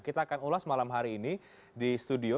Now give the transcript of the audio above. kita akan ulas malam hari ini di studio